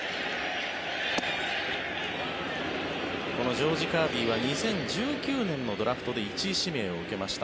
このジョージ・カービーは２０１９年のドラフトで１位指名を受けました。